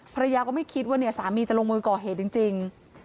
ภรรยาก็ไม่คิดว่าสามีจะลงมือก่อเหตุจริง